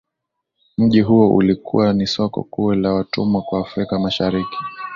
Mji huo ulikuwa ni soko kuu la watumwa kwa Afrika mashariki